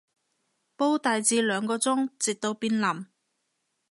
煲大致兩個鐘，直到變腍